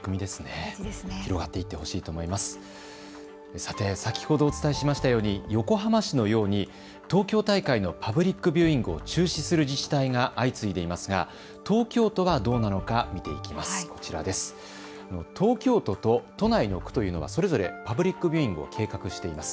さて先ほどお伝えしましたように横浜市のように東京大会のパブリックビューイングを中止する自治体が相次いでいますが東京都はどうなのか見ていきます。